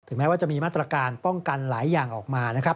แม้ว่าจะมีมาตรการป้องกันหลายอย่างออกมานะครับ